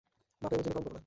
মাপে ও ওজনে কম করো না।